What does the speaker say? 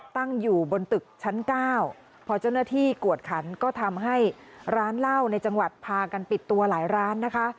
ตั้งอยู่บนตึกชั้น๙พอเจ้าหน้าที่กวดขันก็ทำให้ร้านเหล้าในจังหวัดพากันปิดตัวหลายร้านนะคะ